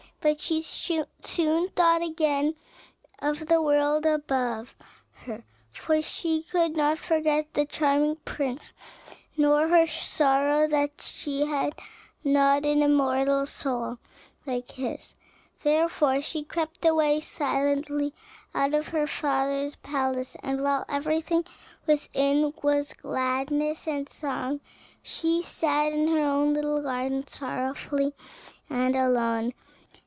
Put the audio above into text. But she soon thought again of the world above her, for she could not forget the charming prince, nor her sorrow that she had not an immortal soul like his; therefore she crept away silently out of her father's palace, and while everything within was gladness and song, she sat in her own little garden sorrowful and alone.